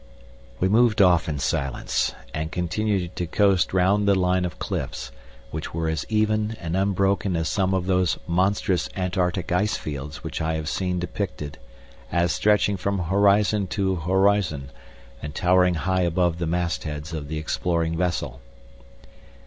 We moved off in silence, and continued to coast round the line of cliffs, which were as even and unbroken as some of those monstrous Antarctic ice fields which I have seen depicted as stretching from horizon to horizon and towering high above the mast heads of the exploring vessel.